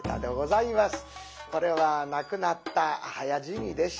これは亡くなった早死にでしたね